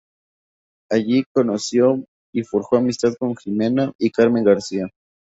Allí conoció y forjó amistad con Jimena y Carmen García.